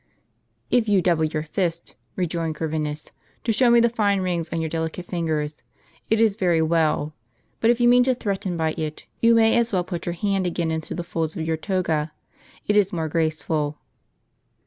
" If you double your fist," rejoined Corvinus, "to show me the fine rings on your delicate fingers, it is very well. But if you mean to threaten by it, you may as well put your hand again into the folds of your toga. It is more graceful."